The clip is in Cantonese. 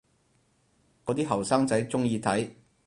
嗰啲後生仔鍾意睇